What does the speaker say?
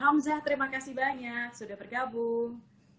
hamzah terima kasih banyak sudah bergabung